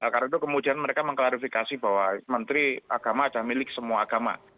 karena itu kemudian mereka mengklarifikasi bahwa menteri agama adalah milik semua agama